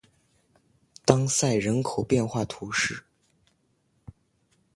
当塞人口变化图示